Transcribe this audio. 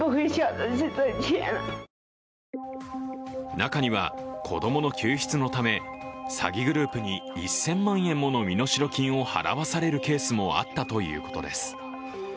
中には子供の救出のため、詐欺グループに１０００万円もの身代金を払わされるケースもあったということです。